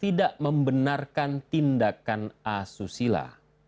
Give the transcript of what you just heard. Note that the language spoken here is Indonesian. tidak membenarkan tindakan asusila